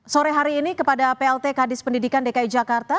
sore hari ini kepada plt kadis pendidikan dki jakarta